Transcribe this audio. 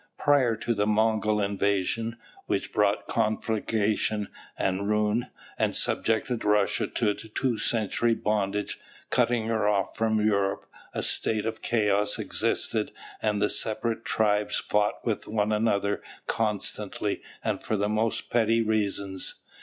Prior to the Mongol invasion, which brought conflagration and ruin, and subjected Russia to a two century bondage, cutting her off from Europe, a state of chaos existed and the separate tribes fought with one another constantly and for the most petty reasons.